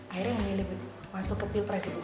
akhirnya yang milih masuk ke pilpres ibu